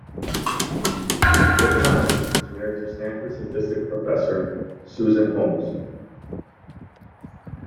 Diaconis is married to Stanford statistics professor Susan Holmes.